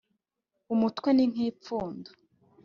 Umutwe ni nk’ipfundo